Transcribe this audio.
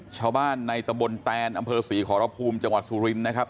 ชาวบ้านในตะบนแตนอำเภอ๔ขพุมจังหวัดสุรินนะครับ